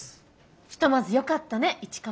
ひとまずよかったね市川。